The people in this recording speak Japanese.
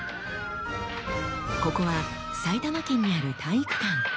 ここは埼玉県にある体育館。